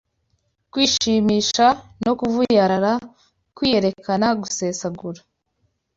kwishimisha no kuvuyarara, kwiyerekana, gusesagura